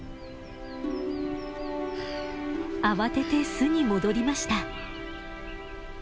慌てて巣に戻りました。